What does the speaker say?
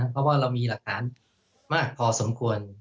เพราะว่าเรามีหลักฐานมากพอสมควร